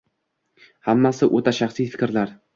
Hammasi oʻta shaxsiy fikrlar.